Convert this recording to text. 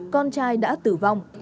con trai đã tử vong